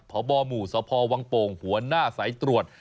พบหมู่สพวังโป่งหัวหน้าสายตรวจ